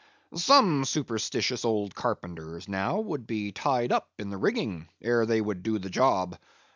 Some superstitious old carpenters, now, would be tied up in the rigging, ere they would do the job.